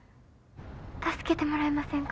助けてもらえませんか？